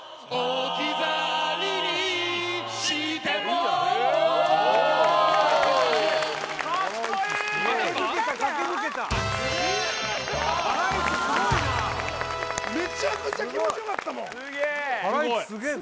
すごいなめちゃくちゃ気持ちよかったもんすげえ